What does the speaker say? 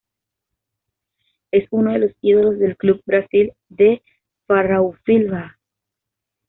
Es uno de los ídolos del club Brasil de Farroupilha.